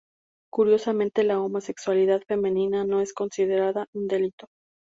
Curiosamente, la homosexualidad femenina no es considerada un delito.